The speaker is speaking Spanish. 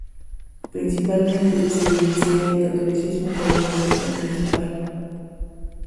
Principalmente se evidencia el catolicismo como religión principal.